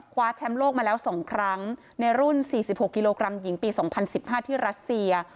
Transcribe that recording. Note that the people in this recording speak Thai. แชมป์โลกมาแล้ว๒ครั้งในรุ่น๔๖กิโลกรัมหญิงปี๒๐๑๕ที่รัสเซีย